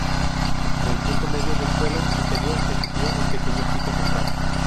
En el punto medio del suelo interior se sitúa un pequeño pico central.